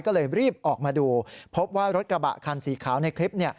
ก็เลยรีบออกมาดูพบว่ารถกระบะคันสีขาวในคลิป